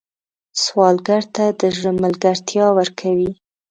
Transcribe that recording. سوالګر ته د زړه ملګرتیا ورکوئ